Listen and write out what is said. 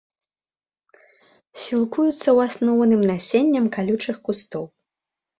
Сілкуюцца ў асноўным насеннем калючых кустоў.